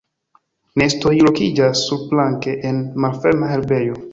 Nestoj lokiĝas surplanke en malferma herbejo.